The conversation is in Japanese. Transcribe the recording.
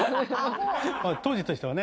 当時としてはね